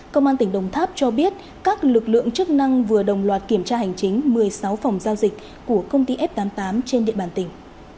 công an tỉnh đồng tháp cho biết các lực lượng chức năng vừa đồng loạt kiểm tra hành chính một mươi sáu phòng giao dịch của công ty f tám mươi tám trên địa bàn tỉnh